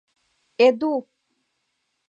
— Эду!